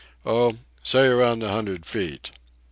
"Oh, say around a hundred feet."